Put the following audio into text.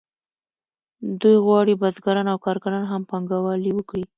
دوی غواړي بزګران او کارګران هم پانګوالي وکړي